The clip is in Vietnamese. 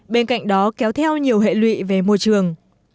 bên cạnh đó kéo theo nhiều hệ lụy về môi trường